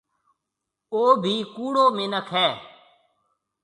او ڀِي ڪُوڙو مِنک هيَ۔